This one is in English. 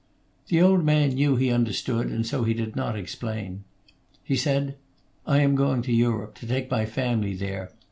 The old man knew he understood, and so he did not explain. He said: "I am going to Europe, to take my family there.